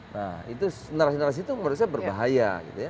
nah narasi narasi itu menurut saya berbahaya